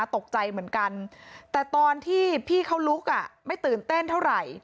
ตกใจเหมือนกันแต่ตอนที่พี่เขาลุกอ่ะไม่ตื่นเต้นเท่าไหร่